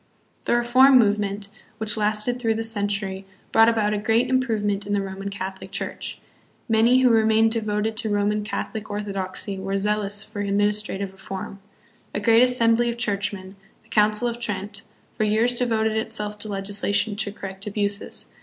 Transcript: The reform movement, which lasted through the century, brought about a great improvement in the Roman Catholic Church. Many, who remained devoted to Roman Catholic orthodoxy, were zealous for administra tive reform. A great assembly of Churchmen, the Council of Trent, for years devoted itself to legislation to correct abuses.